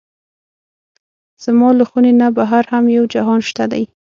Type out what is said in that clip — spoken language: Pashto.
زما له خونې نه بهر هم یو جهان شته دی.